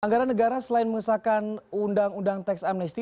anggaran negara selain mengesahkan undang undang teks amnesti